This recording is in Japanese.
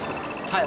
はい。